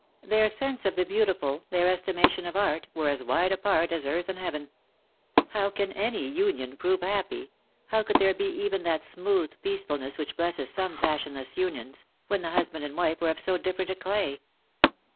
Their sense of the beautiful, their estimation of art^ were as wide apart as earth and heaven. How could any union prove happy — how could there be even that smooth peacefulness which blesses some passionless unions — when the husband and wife were of so different a clay?